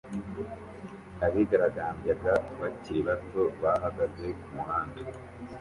Abigaragambyaga bakiri bato bahagaze kumuhanda